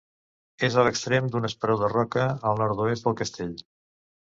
És a l'extrem d'un esperó de roca, al nord-oest del castell.